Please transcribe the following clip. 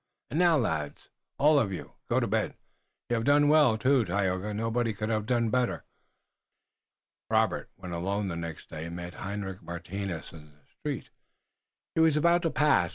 Und now, lads, all of you go to bed. You haf done well, too, Tayoga. Nobody could haf done better." Robert, when alone the next day, met Hendrik Martinus in the street. Martinus was about to pas?